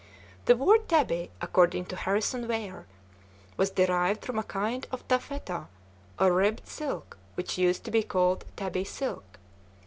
The word "tabby," according to Harrison Weir, was derived from a kind of taffeta or ribbed silk which used to be called tabby silk.